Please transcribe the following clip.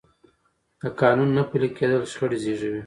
د قانون نه پلي کېدل شخړې زېږوي